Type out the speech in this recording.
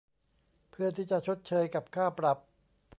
เพื่อที่จะชดเชยกับค่าปรับ